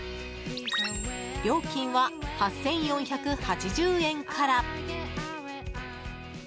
料金は８４８０円から。